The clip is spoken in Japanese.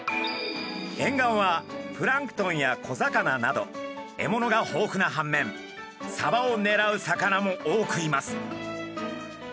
沿岸はプランクトンや小魚など獲物が豊富な反面サバをねらう魚も多くいます。